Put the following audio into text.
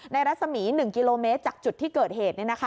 รัศมี๑กิโลเมตรจากจุดที่เกิดเหตุ